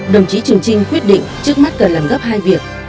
đồng chí trường trinh quyết định trước mắt là làm gấp hai việc